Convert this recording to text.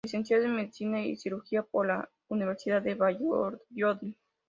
Licenciado en Medicina y Cirugía por la Universidad de Valladolid.